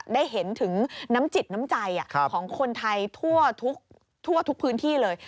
ได้เห็นถึงน้ำจิตน้ำใจของคนไทยทั่วทุกพื้นที่เลย